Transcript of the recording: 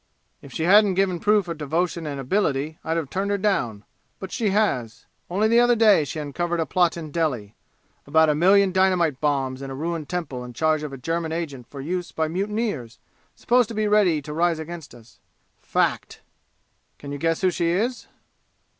"If she hadn't given proof of devotion and ability, I'd have turned her down. But she has. Only the other day she uncovered a plot in Delhi about a million dynamite bombs in a ruined temple in charge of a German agent for use by mutineers supposed to be ready to rise against us. Fact! Can you guess who she is?"